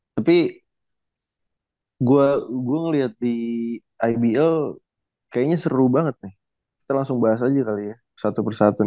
tapi tadi sebelum itu